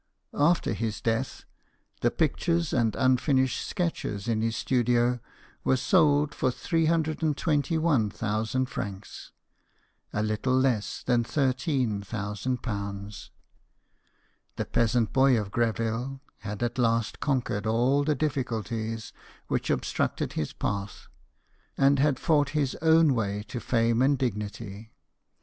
After his death, the pictures and unfinished sketches in his studio were sold for 321,000 francs, a little less than ,13,000. The peasant boy of Greville had at last conquered all the difficulties which obstructed his path, and had fought his own way to fame and dignity.